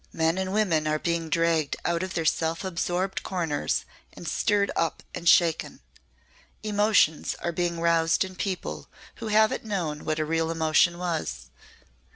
Men and women are being dragged out of their self absorbed corners and stirred up and shaken. Emotions are being roused in people who haven't known what a real emotion was.